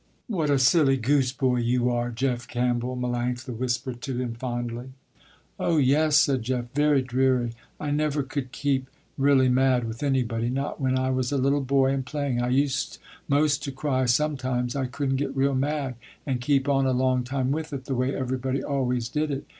"What a silly goose boy you are, Jeff Campbell," Melanctha whispered to him fondly. "Oh yes," said Jeff, very dreary. "I never could keep really mad with anybody, not when I was a little boy and playing. I used most to cry sometimes, I couldn't get real mad and keep on a long time with it, the way everybody always did it.